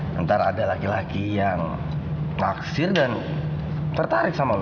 nanti ada laki laki yang naksir dan tertarik sama lo